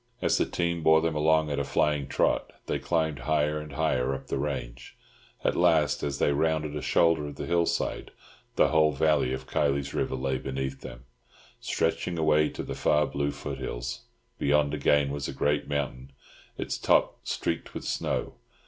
As the team bore them along at a flying trot, they climbed higher and higher up the range; at last, as they rounded a shoulder of the hillside, the whole valley of Kiley's River lay beneath them, stretching away to the far blue foothills. Beyond again was a great mountain, its top streaked with snow.